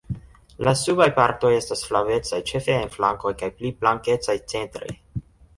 La subaj partoj estas flavecaj ĉefe en flankoj kaj pli blankecaj centre.